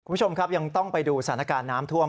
คุณผู้ชมครับยังต้องไปดูสถานการณ์น้ำท่วม